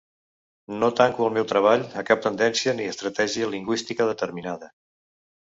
No tanco el meu treball a cap tendència ni estratègia lingüística determinada.